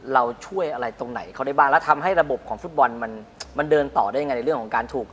เราช่วยอะไรตรงไหนเขาได้บ้างแล้วทำให้ระบบของฟุตบอลมันเดินต่อได้ยังไงในเรื่องของการถูก